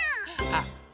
あっ。